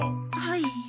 はい。